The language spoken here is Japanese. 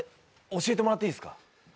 教えてもらっていいっすか？